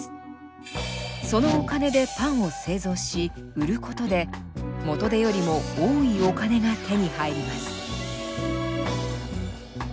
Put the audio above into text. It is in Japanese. そのお金でパンを製造し売ることで元手よりも多いお金が手に入ります。